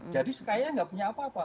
jadi sekaya nggak punya apa apa